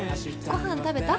ご飯食べた？